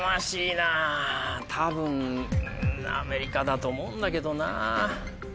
多分アメリカだと思うんだけどなぁ。